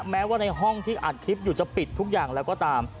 แม้ว่าในห้องที่อัดคลิปอยู่จะปิดทุกอย่างแล้วก็ตาม